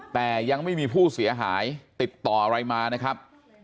แต่ยังไม่มีผู้เสียหายติดต่ออะไรมานะครับ